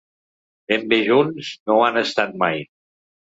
Ben bé junts no ho han estat mai.